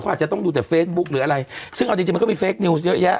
เขาอาจจะต้องดูแต่เฟซบุ๊คหรืออะไรซึ่งเอาจริงจริงมันก็มีเฟคนิวส์เยอะแยะ